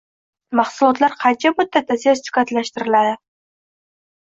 Mahsulotlar qancha muddatda sertifikatlashtiriladi?